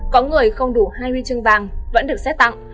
có người không đủ hai huy chương vàng vẫn được xét tặng